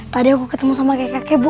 tadi aku ketemu sama kayak kakek bu